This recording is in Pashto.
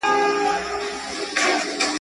د کرنې لپاره داس ښه ده.